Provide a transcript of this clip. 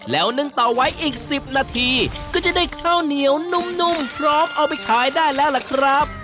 แล้วนึ่งต่อไว้อีก๑๐นาทีก็จะได้ข้าวเหนียวนุ่มพร้อมเอาไปขายได้แล้วล่ะครับ